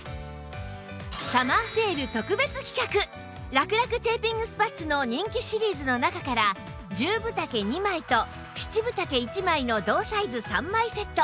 サマーセール特別企画らくらくテーピングスパッツの人気シリーズの中から１０分丈２枚と７分丈１枚の同サイズ３枚セット